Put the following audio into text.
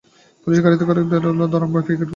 পুলিশের গাড়িতে করে গেলে দারোয়ান ভয় পেয়ে গেট খুলবে।